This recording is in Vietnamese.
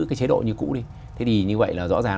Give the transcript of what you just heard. cái chế độ như cũ đi thế thì như vậy là rõ ràng